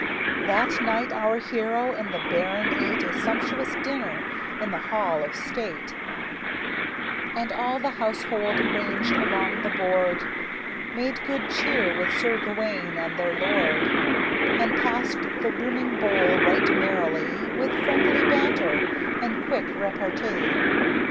That night our hero and the baron ate A sumptuous dinner in the hall of state, And all the household, ranged along the board, Made good cheer with Sir Gawayne and their lord, And passed the brimming bowl right merrily With friendly banter and quick repartee.